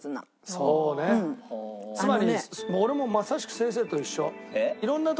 つまり俺もまさしく先生と一緒。